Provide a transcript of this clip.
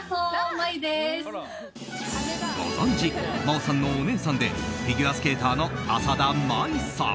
ご存じ、真央さんのお姉さんでフィギュアスケーターの浅田舞さん。